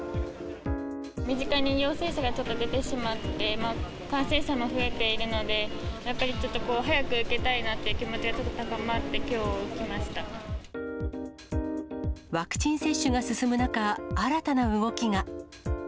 身近に陽性者がちょっと出てしまって、感染者も増えているので、やっぱりちょっと早く受けたいなっていう気持ちがちょっと高まって、ワクチン接種が進む中、新たな動きが。